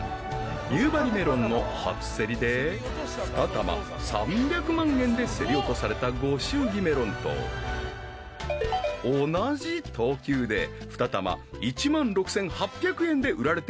夕張メロンの初競りで２玉３００万円で競り落とされたご祝儀メロンと同じ等級で２玉１万６，８００円で売られている超高級メロン］